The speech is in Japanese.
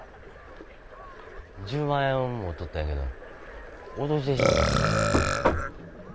１０万円持っとったんやけど落としてしもたんや。